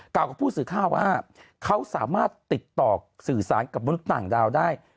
กับผู้สื่อข่าวว่าเขาสามารถติดต่อสื่อสารกับมนุษย์ต่างดาวได้